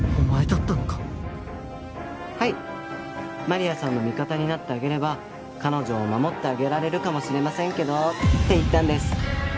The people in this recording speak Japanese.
「マリアさんの味方になってあげれば彼女を守ってあげられるかもしれませんけど」って言ったんです。